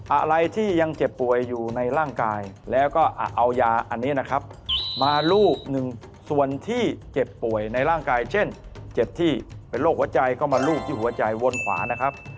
อะไรที่ยังเจ็บป่วยอยู่ในร่างกายแล้วก็เอายาอันนี้นะครับมารูปหนึ่งส่วนที่เจ็บป่วยในร่างกายเช่นเจ็บที่เป็นโรคหัวใจก็มารูปที่หัวใจวนขวานะครับ